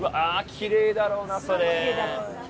きれいだろうなそれ。